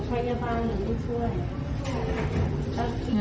ไฟฟ้าหนึ่งต้องช่วย